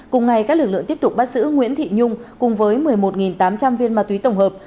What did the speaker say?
cùng ngày các lực lượng tiếp tục bắt giữ nguyễn thị nhung cùng với một mươi một tám trăm linh viên ma túy tổng hợp